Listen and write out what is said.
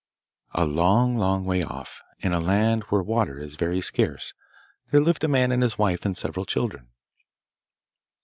A long, long way off, in a land where water is very scarce, there lived a man and his wife and several children.